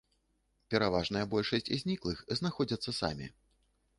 Пераважная большасць зніклых знаходзяцца самі.